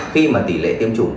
khi mà tỷ lệ tiêm chủng